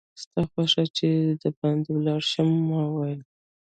ستا خوښه ده چې دباندې ولاړ شم؟ ما وویل.